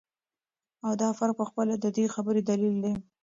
او دافرق په خپله ددي خبري دليل دى